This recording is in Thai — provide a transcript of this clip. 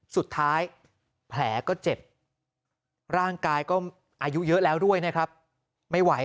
สุดท้ายแผลก็เจ็บร่างกายก็อายุเยอะแล้วด้วยนะครับไม่ไหว